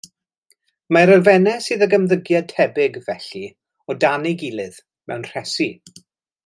Mae'r elfennau sydd ag ymddygiad tebyg, felly, o dan ei gilydd, mewn rhesi.